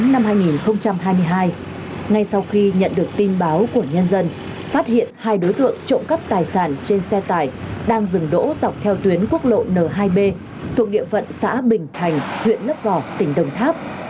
năm hai nghìn hai mươi hai ngay sau khi nhận được tin báo của nhân dân phát hiện hai đối tượng trộm cắp tài sản trên xe tải đang dừng đỗ dọc theo tuyến quốc lộ n hai b thuộc địa phận xã bình thành huyện lấp vò tỉnh đồng tháp